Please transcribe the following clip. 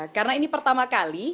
karena ini pertama kali